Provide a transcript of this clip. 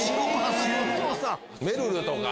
めるるとか。